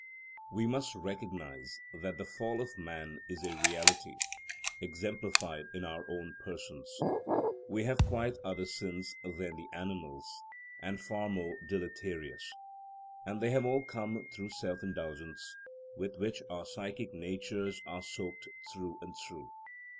We must recognize that the fall of man is a reality, exemplified in our own persons. We have quite other sins than the animals, and far more deleterious; and they have all come through self indulgence, with which our psychic natures are soaked through and through.